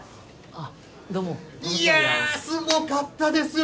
あっどうもこの度はいやあすごかったですよ